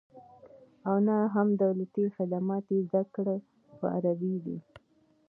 او نه هم دولتي خدمات یې زده کړې په عربي دي